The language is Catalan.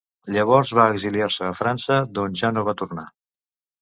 Llavors va exiliar-se a França, d'on ja no va tornar.